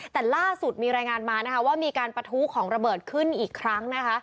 แต่ล่าสุดมีรายงานมานะคะว่ามีการประทุของระเบิดขึ้นอีกครั้งนะคะ